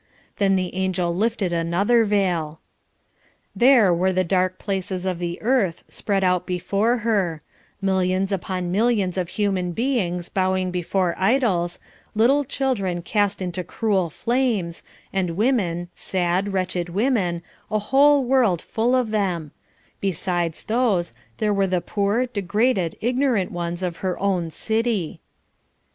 Then the angel lifted another veil. There were the dark places of the earth spread out before her; millions upon millions of human beings bowing before idols, little children cast into cruel flames, and women, sad, wretched women, a whole world full of them; besides those, there were the poor, degraded, ignorant ones of her own city.